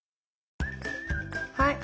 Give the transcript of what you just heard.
はい！